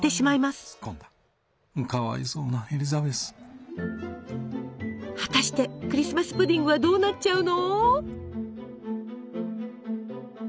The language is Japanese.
かわいそうなエリザベスはたしてクリスマス・プディングはどうなっちゃうの？